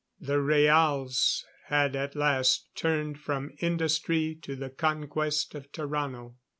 The Rhaals had at last turned from industry to the conquest of Tarrano.